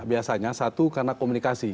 biasanya satu karena komunikasi